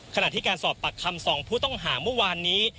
ขณะที่การสอบปากคำ๒ผู้ต้องหาเมื่อวานนี้